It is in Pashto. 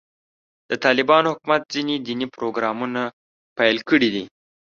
د طالبانو حکومت ځینې دیني پروګرامونه پیل کړي دي.